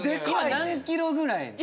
今何キロぐらい？